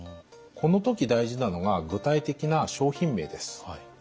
この時大事なのが具体的な商品名です。